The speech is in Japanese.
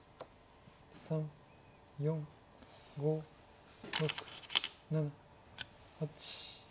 ３４５６７８。